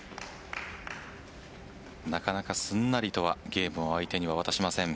なかなか、すんなりとはゲームを相手に渡しません。